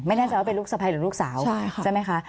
แน่ใจว่าเป็นลูกสะพ้ายหรือลูกสาวใช่ไหมคะ